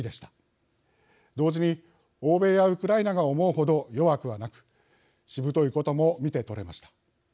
同時に欧米やウクライナが思うほど弱くはなくしぶといことも見て取れました。